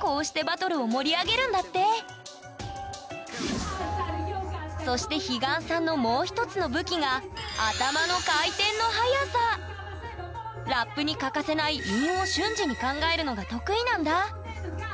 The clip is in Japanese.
こうしてバトルを盛り上げるんだってそして彼岸さんのもう一つの武器がラップに欠かせない「韻」を瞬時に考えるのが得意なんだ！